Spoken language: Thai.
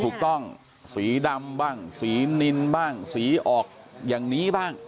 ถูกต้องสีดำบ้างสีนินบ้างสีออกอย่างนี้บ้าง